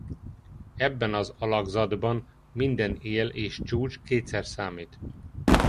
Ebben az alakzatban minden él és csúcs kétszer számít.